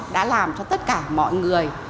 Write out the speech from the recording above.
đã làm cho tất cả mọi người